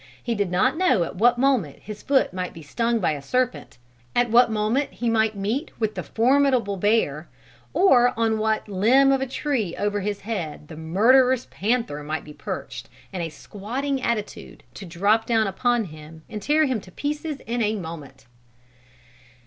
He did not know at what moment his foot might be stung by a serpent, at what moment he might meet with the formidable bear, or on what limb of a tree over his head the murderous panther might be perched, in a squatting attitude, to drop down upon him and tear him in pieces in a moment.